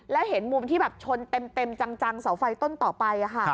แล้วเห็นมุมที่แบบชนเต็มจังเสาไฟต้นต่อไป